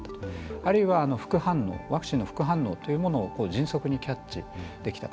あるいはワクチンの副反応というものを迅速にキャッチできたと。